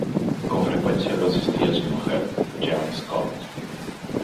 Con frecuencia lo asistía su mujer, Jean Scott.